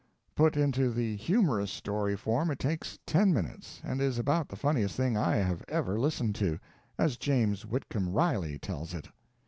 Put into the humorous story form it takes ten minutes, and is about the funniest thing I have ever listened to as James Whitcomb Riley tells it.